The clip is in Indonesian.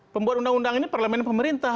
pembuat undang undang ini parlemen pemerintah